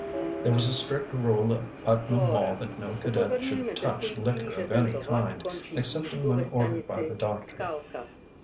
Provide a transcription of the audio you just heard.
There was a strict rule at Putnam Hall that no cadet should touch liquor of any kind excepting when ordered by the doctor.